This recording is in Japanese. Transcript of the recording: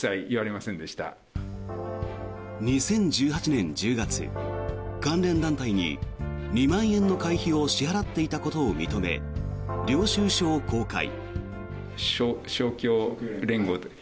２０１８年１０月、関連団体に２万円の会費を支払っていたことを認め領収書を公開。